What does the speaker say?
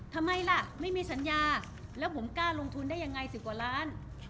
ทำไมล่ะไม่มีสัญญาแล้วผมกล้าลงทุนได้ยังไง๑๐กว่าล้าน